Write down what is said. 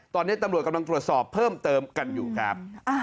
ตอนนี้ตำรวจกำลังตรวจสอบเพิ่มเติมกันอยู่ครับ